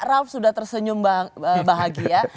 raff sudah tersenyum bahagia